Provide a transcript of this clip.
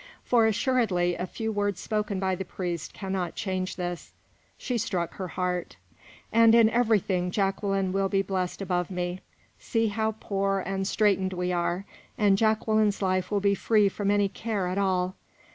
For assuredly a few words spoken by a priest can not change this." She struck her heart. "And in everything Jacqueline will be blest above me. See how poor and straitened we are, and Jacqueline's life will be free from any care at all!